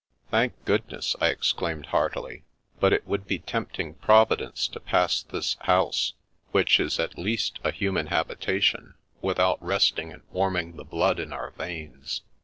" Thank goo^ess !" I exclaimed heartily. " But it would be tempting Providence to pass this house, 292 The Princess Passes which is at least a human habitation, without rest ing and warming the blood in our veins.